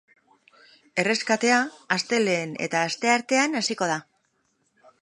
Erreskatea, astelehen eta asteartean hasiko da.